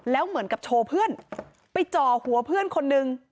แล้วเหมือนกับโชว์เพื่อนไปจ่อหัวเพื่อนคนนึง